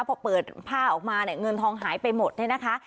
พอเปิดผ้าออกมาเนี่ยเงินทองหายไปหมดเนี่ยนะคะ